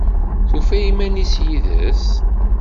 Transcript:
Tufa iman-is yid-s?